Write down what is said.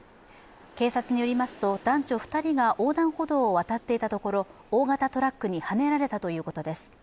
警察によりますと男女２人が横断歩道を渡っていたところ大型トラックにはねられたということです。